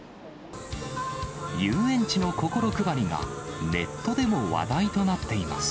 遊園地の心配りがネットでも話題となっています。